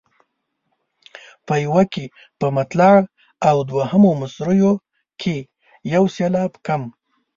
په یوه کې په مطلع او دوهمو مصرعو کې یو سېلاب کم.